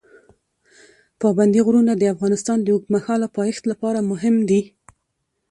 پابندي غرونه د افغانستان د اوږدمهاله پایښت لپاره مهم دي.